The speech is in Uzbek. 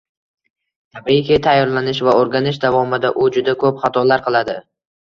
Tabiiyki tayyorlanish va o’rganish davomida u juda ko’p xatolar qiladi